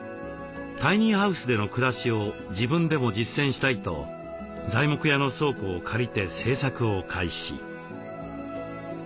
タイニーハウスでの暮らしを自分でも実践したいと材木屋の倉庫を借りて製作を開始。